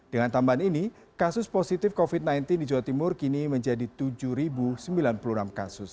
dengan tambahan ini kasus positif covid sembilan belas di jawa timur kini menjadi tujuh sembilan puluh enam kasus